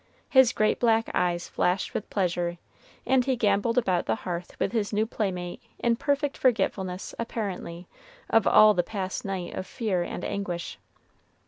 His great black eyes flashed with pleasure, and he gamboled about the hearth with his new playmate in perfect forgetfulness, apparently, of all the past night of fear and anguish.